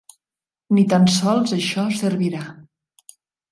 Ni tan sols això servirà.